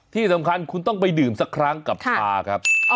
ที่สำคัญคุณต้องไปดื่มสักครั้งกับชาครับ